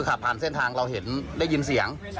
พอตากคนข้างหลัง